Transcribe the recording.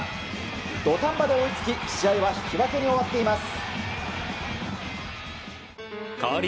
土壇場で追いつき、試合は引き分けに終わっています。